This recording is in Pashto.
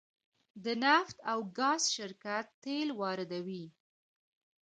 د نفت او ګاز شرکت تیل واردوي